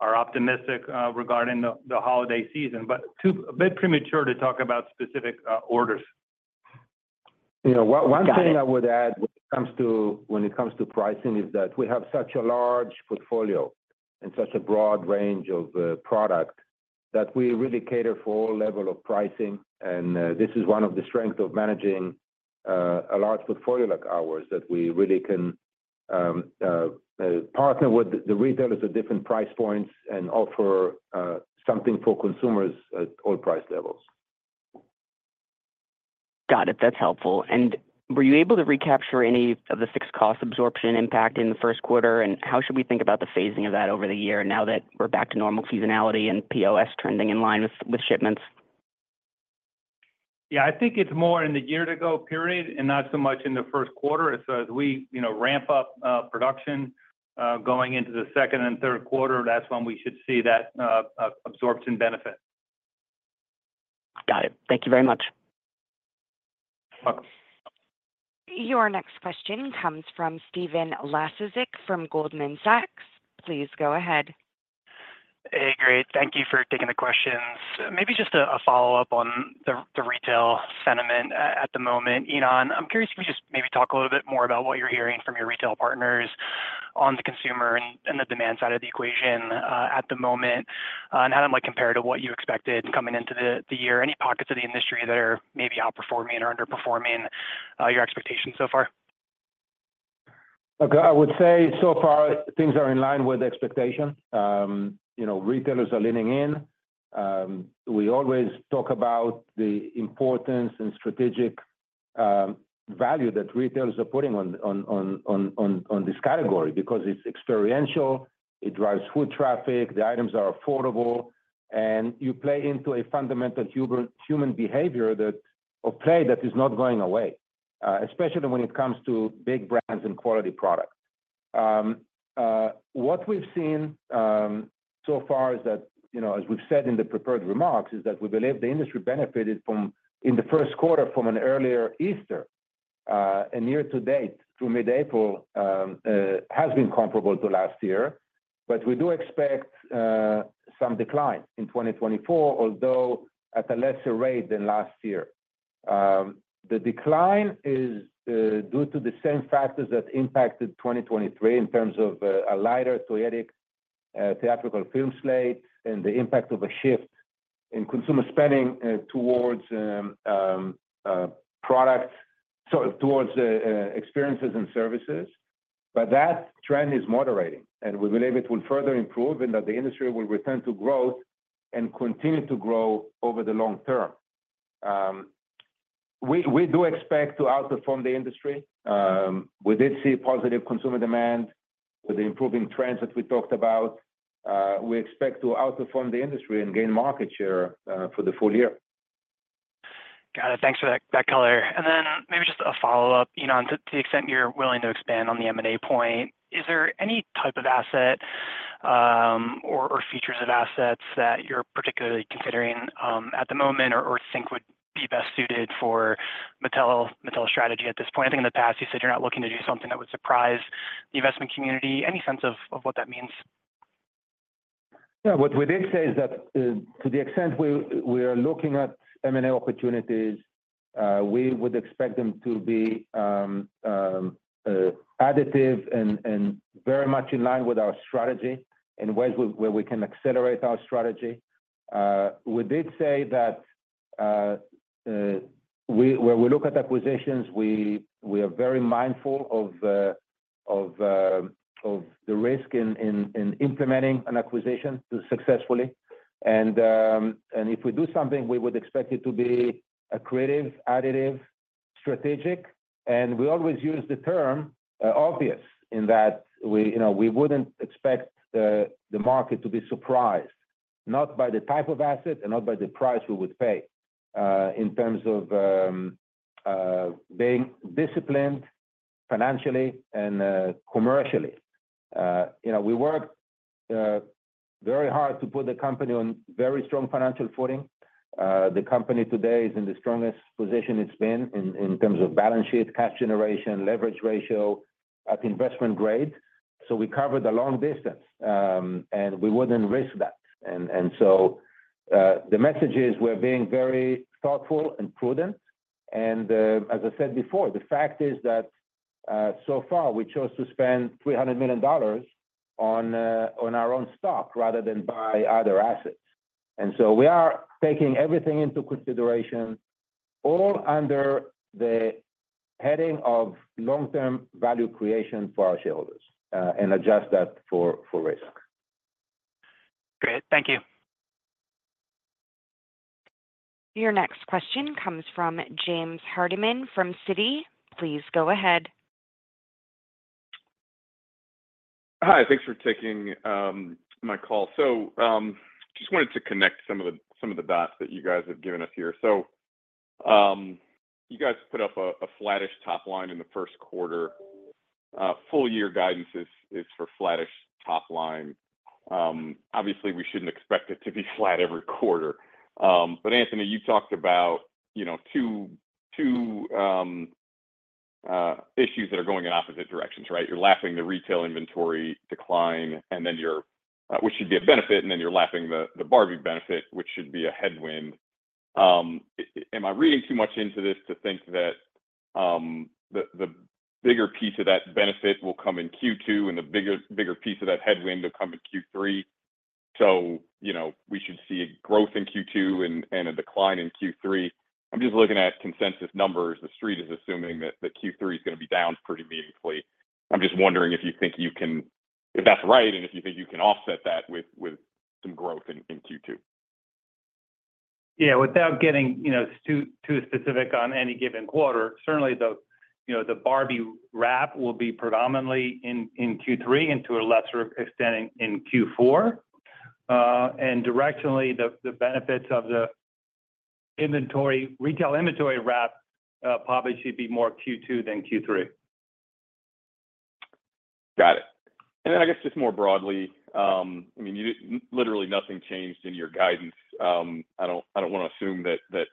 are optimistic regarding the holiday season, but a bit premature to talk about specific orders. One thing I would add when it comes to pricing is that we have such a large portfolio and such a broad range of products that we really cater for all levels of pricing. This is one of the strengths of managing a large portfolio like ours that we really can partner with the retailers at different price points and offer something for consumers at all price levels. Got it. That's helpful. Were you able to recapture any of the fixed cost absorption impact in the first quarter? How should we think about the phasing of that over the year now that we're back to normal seasonality and POS trending in line with shipments? Yeah. I think it's more in the year-to-go period and not so much in the first quarter. So as we ramp up production going into the second and third quarter, that's when we should see that absorption benefit. Got it. Thank you very much. You're welcome. Your next question comes from Stephen Laszczyk from Goldman Sachs. Please go ahead. Hey, great. Thank you for taking the questions. Maybe just a follow-up on the retail sentiment at the moment. Ynon, I'm curious if you could just maybe talk a little bit more about what you're hearing from your retail partners on the consumer and the demand side of the equation at the moment and how that might compare to what you expected coming into the year? Any pockets of the industry that are maybe outperforming or underperforming your expectations so far? Okay. I would say so far, things are in line with expectations. Retailers are leaning in. We always talk about the importance and strategic value that retailers are putting on this category because it's experiential. It drives foot traffic. The items are affordable. And you play into a fundamental human behavior of play that is not going away, especially when it comes to big brands and quality product. What we've seen so far is that, as we've said in the prepared remarks, is that we believe the industry benefited in the first quarter from an earlier Easter. And year to date, through mid-April, has been comparable to last year. But we do expect some decline in 2024, although at a lesser rate than last year. The decline is due to the same factors that impacted 2023 in terms of a lighter toy theatrical film slate and the impact of a shift in consumer spending towards products sorry, towards experiences and services. But that trend is moderating. We believe it will further improve and that the industry will return to growth and continue to grow over the long term. We do expect to outperform the industry. We did see positive consumer demand with the improving trends that we talked about. We expect to outperform the industry and gain market share for the full year. Got it. Thanks for that color. And then maybe just a follow-up, Ynon, to the extent you're willing to expand on the M&A point, is there any type of asset or features of assets that you're particularly considering at the moment or think would be best suited for Mattel's strategy at this point? I think in the past, you said you're not looking to do something that would surprise the investment community. Any sense of what that means? Yeah. What we did say is that to the extent we are looking at M&A opportunities, we would expect them to be additive and very much in line with our strategy in ways where we can accelerate our strategy. We did say that when we look at acquisitions, we are very mindful of the risk in implementing an acquisition successfully. If we do something, we would expect it to be accretive, additive, strategic. We always use the term obvious in that we wouldn't expect the market to be surprised, not by the type of asset and not by the price we would pay in terms of being disciplined financially and commercially. We work very hard to put the company on very strong financial footing. The company today is in the strongest position it's been in terms of balance sheet, cash generation, leverage ratio, at investment grade. We covered the long distance. We wouldn't risk that. The message is we're being very thoughtful and prudent. As I said before, the fact is that so far, we chose to spend $300 million on our own stock rather than buy other assets. We are taking everything into consideration all under the heading of long-term value creation for our shareholders and adjust that for risk. Great. Thank you. Your next question comes from James Hardiman from Citi. Please go ahead. Hi. Thanks for taking my call. So I just wanted to connect some of the dots that you guys have given us here. So you guys put up a flattish top line in the first quarter. Full-year guidance is for flattish top line. Obviously, we shouldn't expect it to be flat every quarter. But Anthony, you talked about two issues that are going in opposite directions, right? You're lapping the retail inventory decline, which should be a benefit, and then you're lapping the Barbie benefit, which should be a headwind. Am I reading too much into this to think that the bigger piece of that benefit will come in Q2 and the bigger piece of that headwind will come in Q3? So we should see growth in Q2 and a decline in Q3. I'm just looking at consensus numbers. The street is assuming that Q3 is going to be down pretty meaningfully. I'm just wondering if that's right and if you think you can offset that with some growth in Q2. Yeah. Without getting too specific on any given quarter, certainly, the Barbie wrap will be predominantly in Q3 and to a lesser extent in Q4. Directionally, the benefits of the retail inventory wrap probably should be more Q2 than Q3. Got it. And then I guess just more broadly, I mean, literally nothing changed in your guidance. I don't want to assume that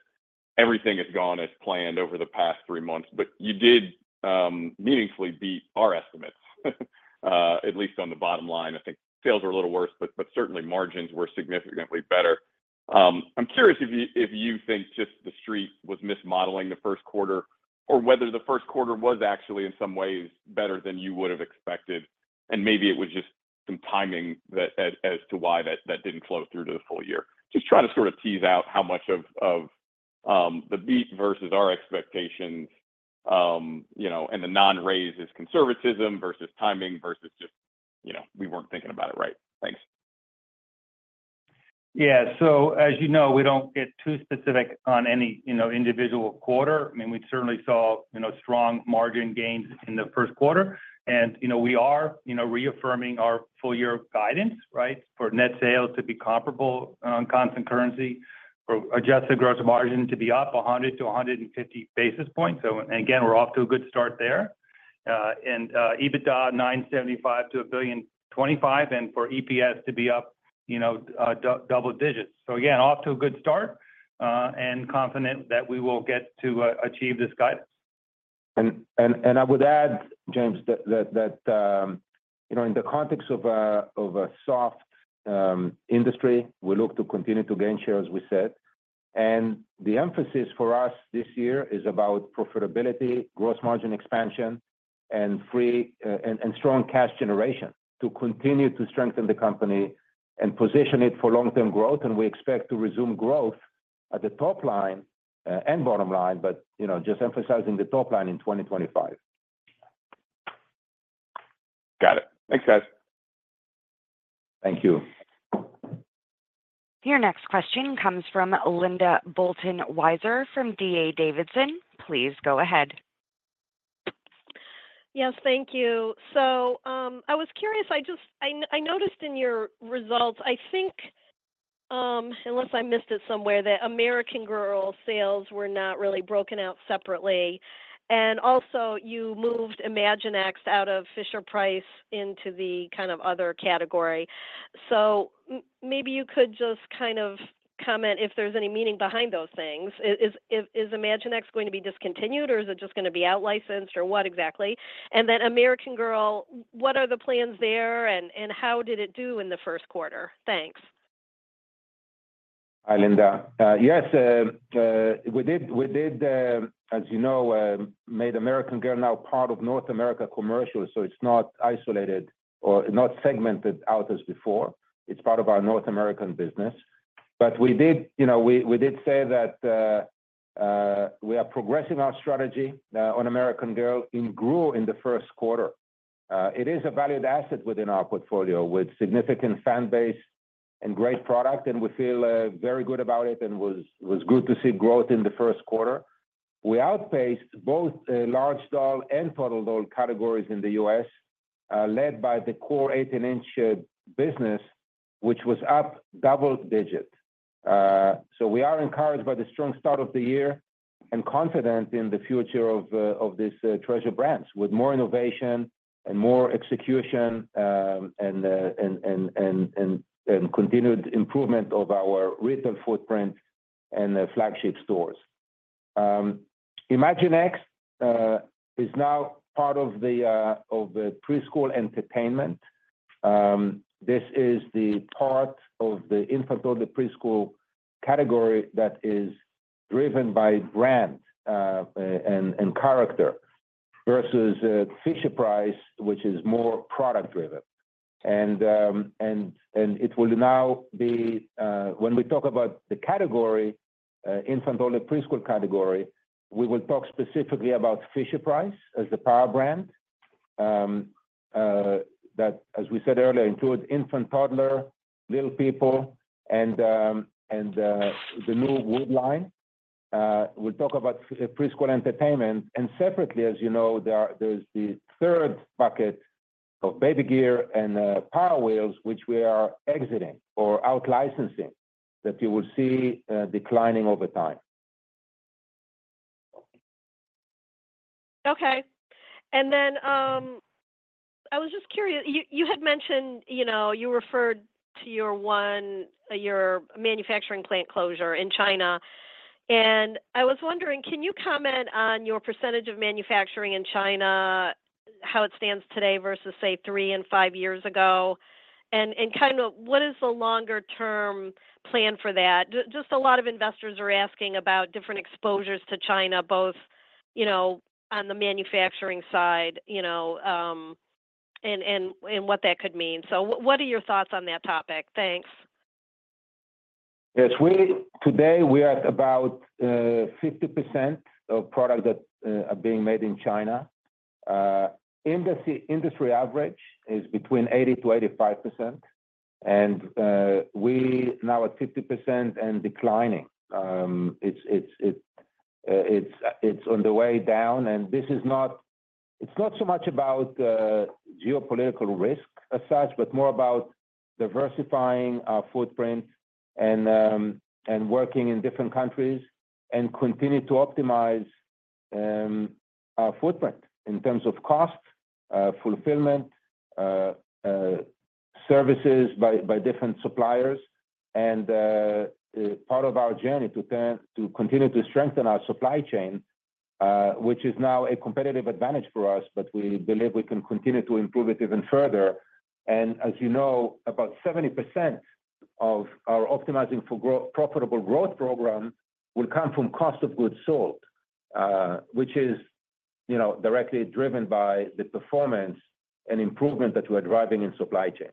everything has gone as planned over the past three months. But you did meaningfully beat our estimates, at least on the bottom line. I think sales were a little worse, but certainly, margins were significantly better. I'm curious if you think just the street was mismodeling the first quarter or whether the first quarter was actually in some ways better than you would have expected. And maybe it was just some timing as to why that didn't flow through to the full year. Just trying to sort of tease out how much of the beat versus our expectations and the non-raises conservatism versus timing versus just we weren't thinking about it right. Thanks. Yeah. So as you know, we don't get too specific on any individual quarter. I mean, we certainly saw strong margin gains in the first quarter. And we are reaffirming our full-year guidance, right, for net sales to be comparable on constant currency, for adjusted gross margin to be up 100 basis points-150 basis points. So again, we're off to a good start there. And EBITDA $975 million-$1.025 billion and for EPS to be up double digits. So again, off to a good start and confident that we will get to achieve this guidance. I would add, James, that in the context of a soft industry, we look to continue to gain share, we said. The emphasis for us this year is about profitability, gross margin expansion, and strong cash generation to continue to strengthen the company and position it for long-term growth. We expect to resume growth at the top line and bottom line, but just emphasizing the top line in 2025. Got it. Thanks, guys. Thank you. Your next question comes from Linda Bolton Weiser from DA Davidson. Please go ahead. Yes. Thank you. So I was curious. I noticed in your results, I think, unless I missed it somewhere, that American Girl sales were not really broken out separately. And also, you moved Imaginext out of Fisher-Price into the kind of other category. So maybe you could just kind of comment if there's any meaning behind those things. Is Imaginext going to be discontinued, or is it just going to be outlicensed, or what exactly? And then American Girl, what are the plans there, and how did it do in the first quarter? Thanks. Hi, Linda. Yes. We did, as you know, made American Girl now part of North America Commercial. So it's not isolated or not segmented out as before. It's part of our North American business. But we did say that we are progressing our strategy on American Girl and grew in the first quarter. It is a valued asset within our portfolio with significant fan base and great product. And we feel very good about it and was good to see growth in the first quarter. We outpaced both large doll and total doll categories in the U.S., led by the core 18-inch business, which was up double digit. So we are encouraged by the strong start of the year and confident in the future of these treasure brands with more innovation and more execution and continued improvement of our retail footprint and flagship stores. Imaginext is now part of the preschool entertainment. This is the part of the infant to the preschool category that is driven by brand and character versus Fisher-Price, which is more product-driven. It will now be when we talk about the infant to the preschool category, we will talk specifically about Fisher-Price as the power brand that, as we said earlier, includes infant, toddler, Little People, and the new Wood line. We'll talk about preschool entertainment. Separately, as you know, there's the third bucket of baby gear and Power Wheels, which we are exiting or outlicensing that you will see declining over time. Okay. And then I was just curious. You had mentioned you referred to your manufacturing plant closure in China. And I was wondering, can you comment on your percentage of manufacturing in China, how it stands today versus, say, three and five years ago? And kind of what is the longer-term plan for that? Just a lot of investors are asking about different exposures to China, both on the manufacturing side and what that could mean. So what are your thoughts on that topic? Thanks. Yes. Today, we are at about 50% of products that are being made in China. Industry average is between 80%-85%. We now at 50% and declining. It's on the way down. It's not so much about geopolitical risk as such, but more about diversifying our footprint and working in different countries and continue to optimize our footprint in terms of cost, fulfillment, services by different suppliers. Part of our journey to continue to strengthen our supply chain, which is now a competitive advantage for us, but we believe we can continue to improve it even further. As you know, about 70% of our Optimizing for Profitable Growth program will come from cost of goods sold, which is directly driven by the performance and improvement that we are driving in supply chain.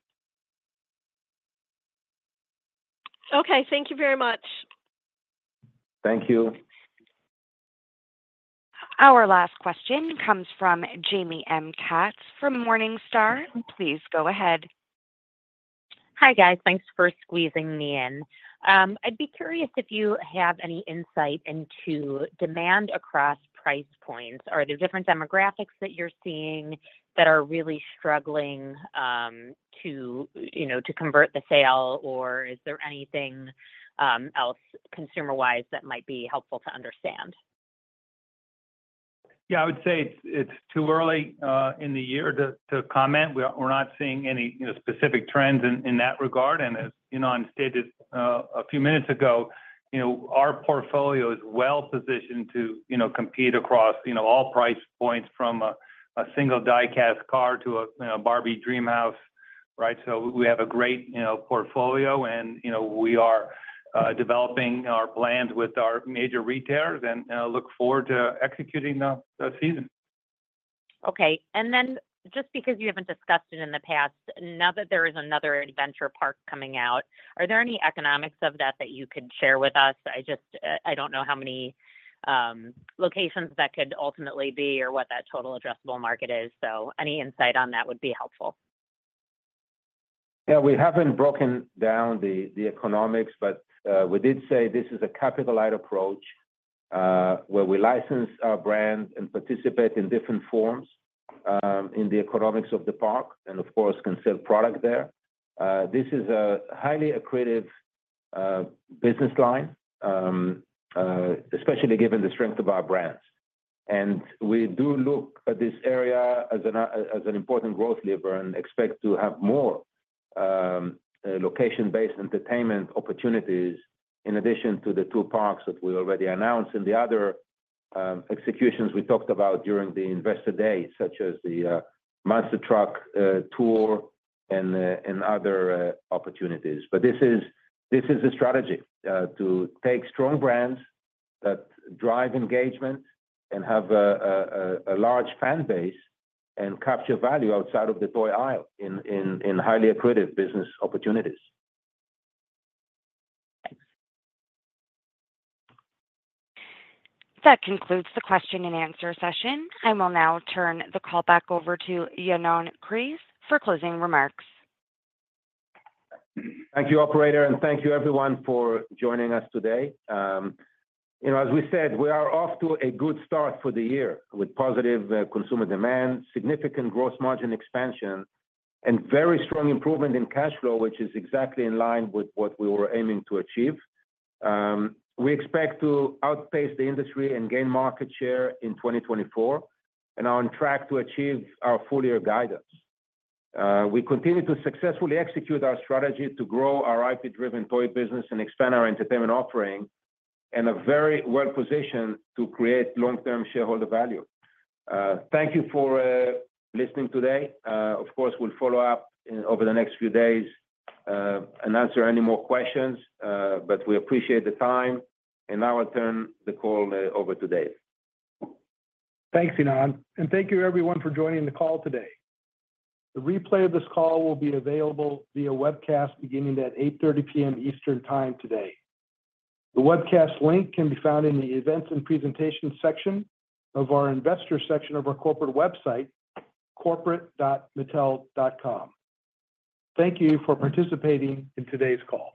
Okay. Thank you very much. Thank you. Our last question comes from Jamie M. Katz from Morningstar. Please go ahead. Hi, guys. Thanks for squeezing me in. I'd be curious if you have any insight into demand across price points. Are there different demographics that you're seeing that are really struggling to convert the sale, or is there anything else consumer-wise that might be helpful to understand? Yeah. I would say it's too early in the year to comment. We're not seeing any specific trends in that regard. And as you know, I stated a few minutes ago, our portfolio is well positioned to compete across all price points from a single die-cast car to a Barbie Dreamhouse, right? So we have a great portfolio. And we are developing our plans with our major retailers and look forward to executing the season. Okay. And then just because you haven't discussed it in the past, now that there is another adventure park coming out, are there any economics of that that you could share with us? I don't know how many locations that could ultimately be or what that total addressable market is. So any insight on that would be helpful. Yeah. We haven't broken down the economics, but we did say this is a capital-light approach where we license our brand and participate in different forms in the economics of the park and, of course, can sell product there. This is a highly accretive business line, especially given the strength of our brands. And we do look at this area as an important growth lever and expect to have more location-based entertainment opportunities in addition to the two parks that we already announced and the other executions we talked about during the investor day, such as the monster truck tour and other opportunities. But this is the strategy to take strong brands that drive engagement and have a large fan base and capture value outside of the toy aisle in highly accretive business opportunities. Thanks. That concludes the question-and-answer session. I will now turn the call back over to Ynon Kreiz for closing remarks. Thank you, operator. And thank you, everyone, for joining us today. As we said, we are off to a good start for the year with positive consumer demand, significant gross margin expansion, and very strong improvement in cash flow, which is exactly in line with what we were aiming to achieve. We expect to outpace the industry and gain market share in 2024 and are on track to achieve our full-year guidance. We continue to successfully execute our strategy to grow our IP-driven toy business and expand our entertainment offering and are very well positioned to create long-term shareholder value. Thank you for listening today. Of course, we'll follow up over the next few days and answer any more questions. But we appreciate the time. And now I'll turn the call over to Dave. Thanks, Ynon. And thank you, everyone, for joining the call today. The replay of this call will be available via webcast beginning at 8:30 P.M. Eastern Time today. The webcast link can be found in the events and presentations section of our investor section of our corporate website, corporate.mattel.com. Thank you for participating in today's call.